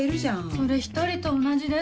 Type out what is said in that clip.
それ１人と同じです。